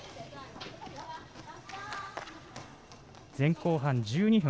前後半１２分。